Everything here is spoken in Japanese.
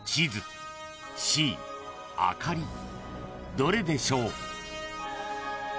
［どれでしょう？］